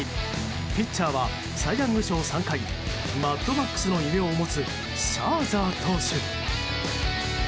ピッチャーはサイ・ヤング賞３回マッドマックスの異名を持つシャーザー投手。